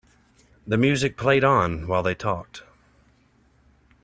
The music played on while they talked.